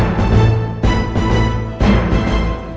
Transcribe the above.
aku tuh udah ngambek